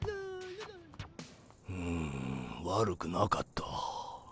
うん悪くなかった。